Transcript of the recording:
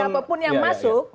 jadi siapa pun yang masuk